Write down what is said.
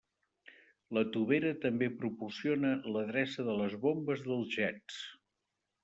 La tovera també proporciona l'adreça de les bombes dels jets.